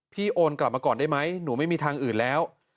โอนกลับมาก่อนได้ไหมหนูไม่มีทางอื่นแล้ว